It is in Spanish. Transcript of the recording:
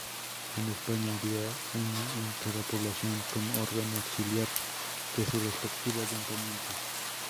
En España, había una en cada población como órgano auxiliar de su respectivo ayuntamiento.